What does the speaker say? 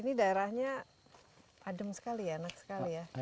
ini daerahnya adem sekali ya enak sekali ya